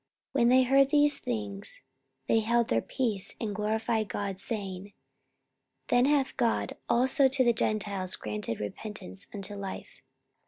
44:011:018 When they heard these things, they held their peace, and glorified God, saying, Then hath God also to the Gentiles granted repentance unto life.